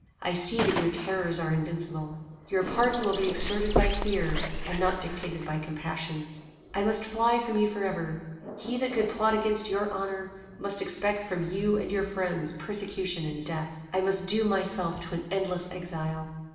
I see that your terrors are invincible. Your pardon will be extorted by fear, and not dictated by compassion. I must fly from you forever. He that could plot against your honor, must expect from you and your friends persecution and death. I must doom myself to endless exile."